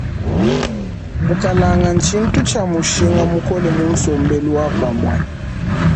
Bukalanga tshintu tshia mushinga mukole mu sombelu wa pamue.